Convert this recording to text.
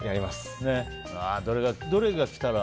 どれがきたら。